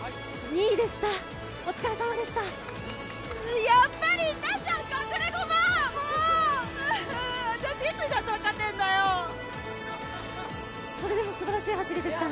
２位でした、お疲れさまでした。